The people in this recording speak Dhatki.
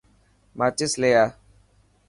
ماچس لي آءَ.